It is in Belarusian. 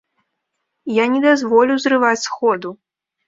Я не дазволю зрываць сходу!